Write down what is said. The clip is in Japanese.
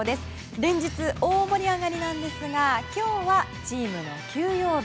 連日、大盛り上がりなんですが今日はチームの休養日。